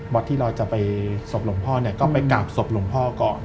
วัดที่เราจะไปศพหลงพ่อเนี่ยก็ไปกราบศพหลงพ่อก่อน